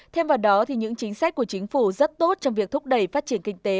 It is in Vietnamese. thêm vào đó thì những chính sách của chính phủ rất tốt trong việc thúc đẩy phát triển kinh tế